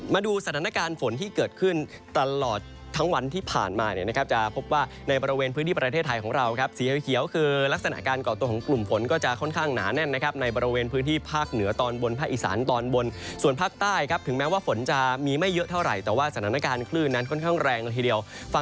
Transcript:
มาดูสถานการณ์ฝนที่เกิดขึ้นตลอดทั้งวันที่ผ่านมาเนี่ยนะครับจะพบว่าในบริเวณพื้นที่ประเทศไทยของเราครับสีเขียวคือลักษณะการก่อตัวของกลุ่มฝนก็จะค่อนข้างหนาแน่นนะครับในบริเวณพื้นที่ภาคเหนือตอนบนภาคอีสานตอนบนส่วนภาคใต้ครับถึงแม้ว่าฝนจะมีไม่เยอะเท่าไหร่แต่ว่าสถานการณ์คลื่นนั้นค่อนข้างแรงละทีเดียว